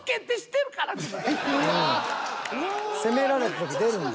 ［責められた時出るんだ］